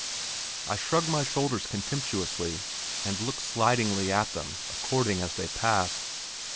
I shrug my shoulders contemptuously, and look slightingly at them according as they pass.